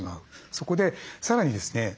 そこでさらにですね